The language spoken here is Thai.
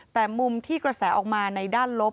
แต่มุมที่กระแสออกมาในด้านลบ